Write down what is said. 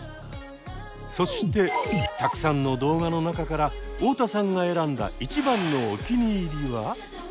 そしてたくさんの動画の中から太田さんが選んだ一番のお気に入りは？